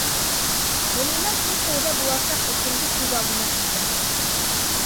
Ғөмүмән, иң тәүҙә буласаҡ эшемде күҙ алдына килтерәм.